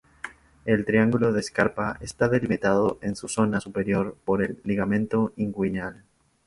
El triangulo de Scarpa está delimitado en su zona superior por el ligamento inguinal.